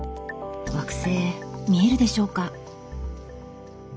惑星見えるでしょうか。